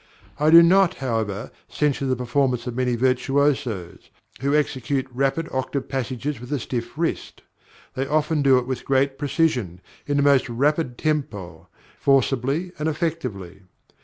I do not, however, censure the performance of many virtuosos, who execute rapid octave passages with a stiff wrist; they often do it with great precision, in the most rapid tempo, forcibly and effectively.